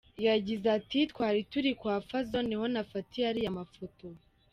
Yagize ati "Twari turi kwa Fazzo niho nafatiye ariya mafoto.